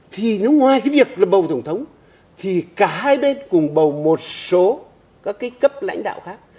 thì nó ngoài cái việc là bầu thổng thống